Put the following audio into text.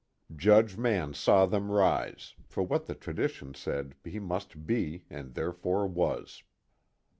Judge Mann saw them rise, for what the tradition said he must be and therefore was.